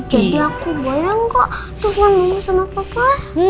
jadi aku boleh gak telepon sama papa